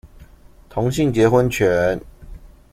同性結婚權